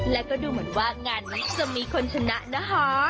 แล้วก็ดูเหมือนว่างานนั้นจะมีคนชนะนะคะ